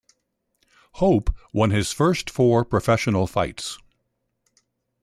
Hope won his first four professional fights.